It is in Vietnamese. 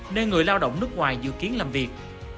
nên người lao động nước ngoài dự kiến làm việc